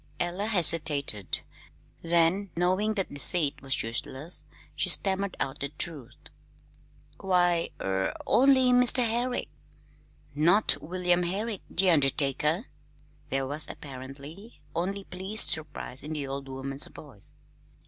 Ella hesitated; then, knowing that deceit was useless, she stammered out the truth. "Why, er only Mr. Herrick." "Not William Herrick, the undertaker!" There was apparently only pleased surprise in the old woman's voice.